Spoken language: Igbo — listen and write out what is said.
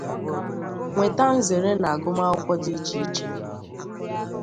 nweta nzere na agụmakwụkwọ dị iche iche